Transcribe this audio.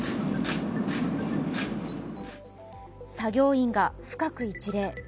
作業員が深く一礼。